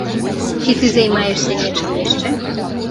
Ці ты займаешся нечым яшчэ?